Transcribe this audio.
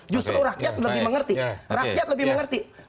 justru rakyat lebih mengerti